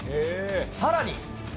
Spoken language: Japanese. さらに。